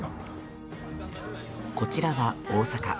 こちらは、大阪。